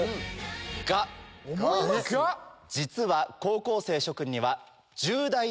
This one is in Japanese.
実は高校生諸君には。